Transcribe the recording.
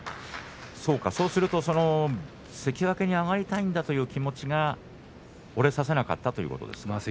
そうすると関脇に上がりたいんだという気持ちが折れさせなかったということですか。